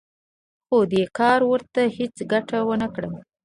خو دې کار ورته هېڅ ګټه ونه کړه